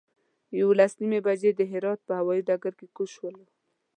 یولس نیمې بجې د هرات هوایي ډګر کې کوز شولو.